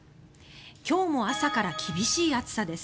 今日も朝から厳しい暑さです。